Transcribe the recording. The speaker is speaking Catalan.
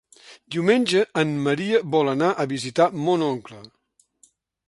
Diumenge en Maria vol anar a visitar mon oncle.